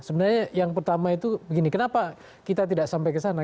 sebenarnya yang pertama itu begini kenapa kita tidak sampai ke sana